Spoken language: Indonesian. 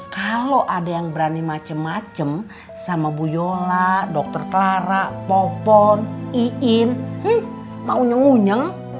kalo ada yang berani macem macem sama bu yola dokter clara popon iin maunya unya